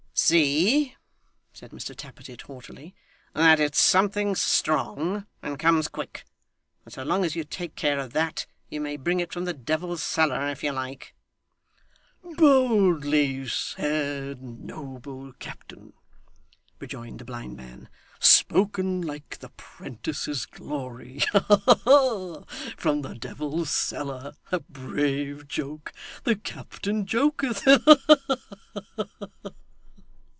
'See,' said Mr Tappertit haughtily, 'that it's something strong, and comes quick; and so long as you take care of that, you may bring it from the devil's cellar, if you like.' 'Boldly said, noble captain!' rejoined the blind man. 'Spoken like the 'Prentices' Glory. Ha, ha! From the devil's cellar! A brave joke! The captain joketh. Ha, ha, ha!